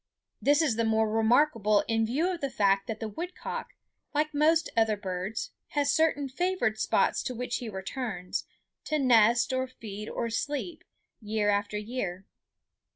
This is the more remarkable in view of the fact that the woodcock, like most other birds, has certain favored spots to which he returns, to nest or feed or sleep, year after year.